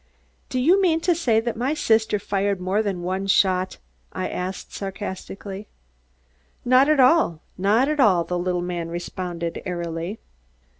"Do you mean to say that my sister fired more than one shot?" I asked sarcastically. "Not at all, not at all," the little man responded airily.